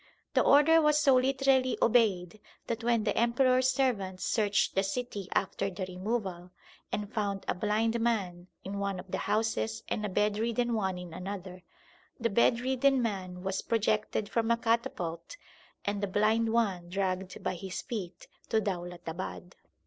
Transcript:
The order was so literally obeyed that when the Emperor s servants searched the city after the removal, and found a blind man in one of the houses and a bedridden one in another, the bedridden man was projected from a catapult and the blind one dragged by his feet to Daulatabad.